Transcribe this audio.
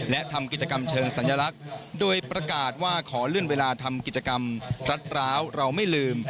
และทำกิจกรรมเชิงสัญลักษณ์โดยประกาศว่าขอเลื่อนเวลาทำกิจกรรมรัดร้าวเราไม่ลืม